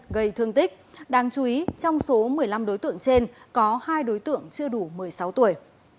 gây thương tích đáng chú ý trong số một mươi năm đối tượng trên có hai đối tượng chưa đủ một mươi sáu tuổi